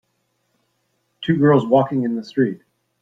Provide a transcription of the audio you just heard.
two girls walking in the street